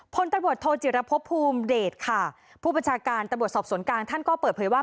พลตะบดโทจิรพพภูมิเดตค่ะผู้ประชาการตะบดสอบสวนกลางท่านก็เปิดเผยว่า